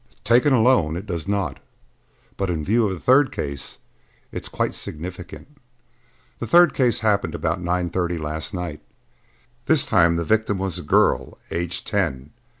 "Taken alone it does not, but in view of the third case, it is quite significant. The third case happened about nine thirty last night. This time the victim was a girl, aged ten.